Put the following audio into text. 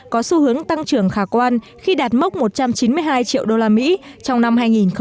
có xu hướng tăng trưởng khả quan khi đạt mốc một trăm chín mươi hai triệu usd trong năm hai nghìn hai mươi